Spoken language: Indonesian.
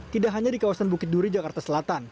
tidak hanya di kawasan bukit duri jakarta selatan